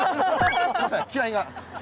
すみません気合いが。